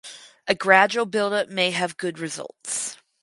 A gradual buildup may have good results.